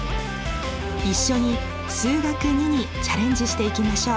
一緒に「数学Ⅱ」にチャレンジしていきましょう。